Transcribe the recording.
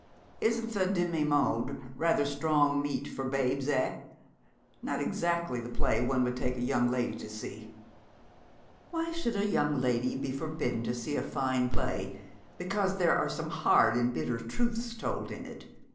Isn't the Demi monde rather strong meat for babes, eh? Not exactly the play one would take a young lady to see.' 'Why should a young lady be forbidden to see a fine play, because there are some hard and bitter truths told in it?'